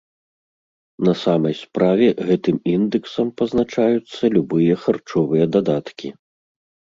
На самай справе гэтым індэксам пазначаюцца любыя харчовыя дадаткі.